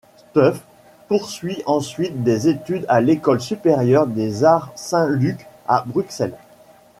Stuf poursuit ensuite des études à l'École supérieure des arts Saint-Luc à Bruxelles.